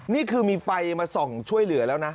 นี่คือมีไฟมาส่องช่วยเหลือแล้วนะ